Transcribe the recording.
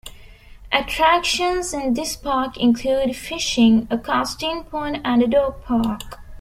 Attractions in this park include fishing, a casting pond, and a dog park.